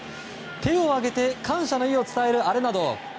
手を上げて感謝の意を伝えるアレナド。